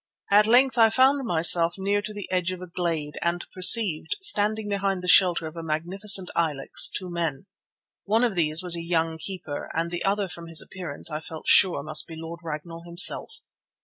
At length I found myself near to the edge of a glade, and perceived, standing behind the shelter of a magnificent ilex, two men. One of these was a young keeper, and the other, from his appearance, I felt sure must be Lord Ragnall himself.